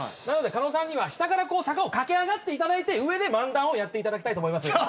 なので狩野さんには下から坂を駆け上がっていただいて上で漫談をやっていただきたいと思います。